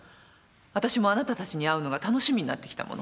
私もあなたたちに会うのが楽しみになってきたもの。